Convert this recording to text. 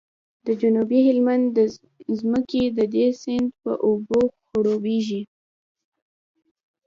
د جنوبي هلمند ځمکې د دې سیند په اوبو خړوبیږي